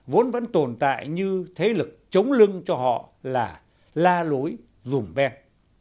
vốn vẫn tồn tại như thế lực chống lưng cho họ là la lối dùm ben